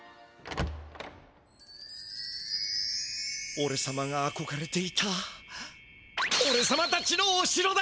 おれさまがあこがれていたおれさまたちのおしろだ！